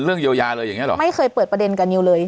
เรื่องเยียวยาเลยอย่างเงี้เหรอไม่เคยเปิดประเด็นกันนิวเลย